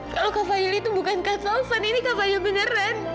kalau kak vanya itu bukan kak taufan ini kak vanya beneran